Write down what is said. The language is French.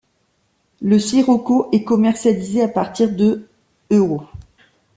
Le Scirocco est commercialisé à partir de €.